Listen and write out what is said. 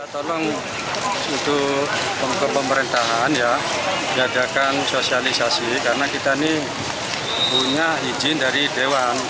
tolong untuk pemerintahan ya diadakan sosialisasi karena kita ini punya izin dari dewan